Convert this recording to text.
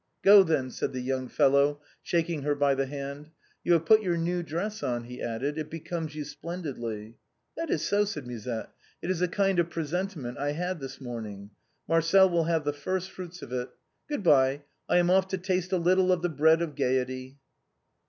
" Go, then," said the young fellow, shaking her by the hand. " You have put your new dress on," he added, " it becomes you splendidly." " That is so," said Musette ; "it is a kind of presentiment I had this morning. Marcel will have the first fruits of it. Good bye, I am off to taste a little of the bread of gaiety."